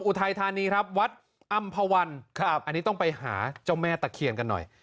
อุทัยธานีครับวัดอำภาวันครับอันนี้ต้องไปหาเจ้าแม่ตะเคียนกันหน่อย